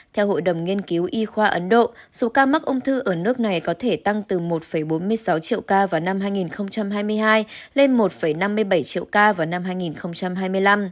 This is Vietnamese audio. theo hội đồng nghiên cứu y khoa ấn độ số ca mắc ung thư ở nước này có thể tăng từ một bốn mươi sáu triệu ca vào năm hai nghìn hai mươi hai lên một năm mươi bảy triệu ca vào năm hai nghìn hai mươi năm